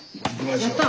やった！